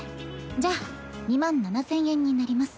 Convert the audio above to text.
じゃあ２万７０００円になります。